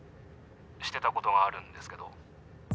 してたことがあるんですけど。